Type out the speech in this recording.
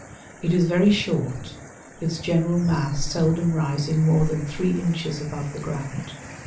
It is very short, its general mass seldom rising more than 3 inches above the ground.